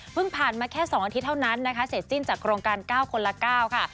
ผ่านมาแค่๒อาทิตย์เท่านั้นนะคะเสร็จสิ้นจากโครงการ๙คนละ๙ค่ะ